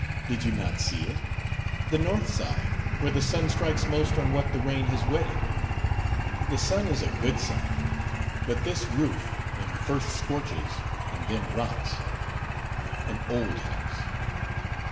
Did you not see it? The north side, where the sun strikes most on what the rain has wetted. The sun is a good sun; but this roof, in first scorches, and then rots. An old house.